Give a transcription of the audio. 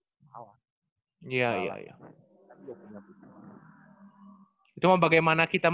itu mah bagaimana kita memperbaiki hal hal yang tersebut